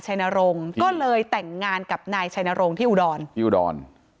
ทั้งครูก็มีค่าแรงรวมกันเดือนละประมาณ๗๐๐๐กว่าบาท